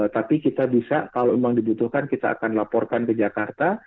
tapi kita bisa kalau memang dibutuhkan kita akan laporkan ke jakarta